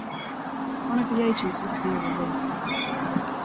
One of the agents was Vera Leigh.